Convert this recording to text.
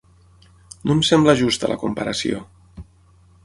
No em sembla justa la comparació.